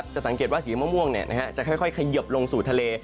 สังเกตว่าสีม่วงจะค่อยเขยิบลงสู่ทะเล